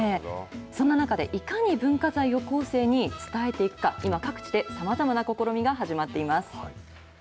そんな中で、いかに文化財を後世に伝えていくか、今、各地でさまざまな試みが始まっています。